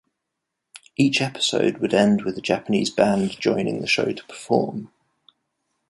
Each episode would end with a Japanese band joining the show to perform.